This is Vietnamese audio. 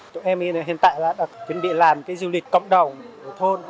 tụi em hiện tại đã chuẩn bị làm du lịch cộng đồng thôn